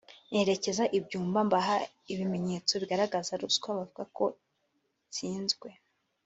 nerekeza i Byumba mbaha ibimenyetso bigaragaza ruswa bavuga ko nsinzwe